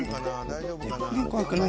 大丈夫かな？